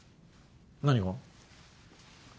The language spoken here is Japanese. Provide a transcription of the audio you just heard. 何が？